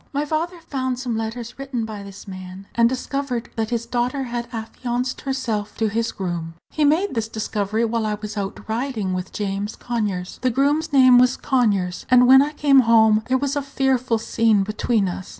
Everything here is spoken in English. "My father found some letters written by this man, and discovered that his daughter had affianced herself to his groom. He made this discovery while I was out riding with James Conyers the groom's name was Conyers and when I came home there was a fearful scene between us.